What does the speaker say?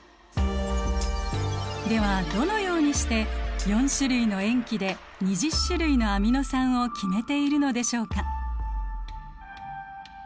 ではどのようにして４種類の塩基で２０種類のアミノ酸を決めているのでしょうか。